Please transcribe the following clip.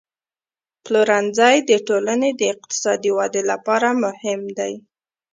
پلورنځی د ټولنې د اقتصادي ودې لپاره مهم دی.